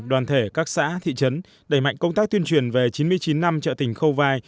đoàn thể các xã thị trấn đẩy mạnh công tác tuyên truyền về chín mươi chín năm trợ tình khâu vai